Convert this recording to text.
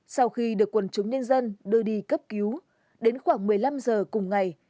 sau khi được quần chúng nhân dân đưa đi cấp cứu đến khoảng một mươi năm giờ cùng ngày